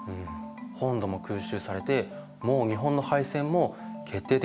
本土も空襲されてもう日本の敗戦も決定的だったのに？